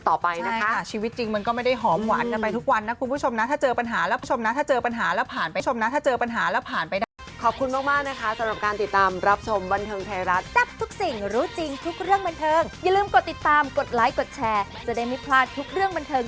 แต่ก็เข้าใจครับเข้าใจ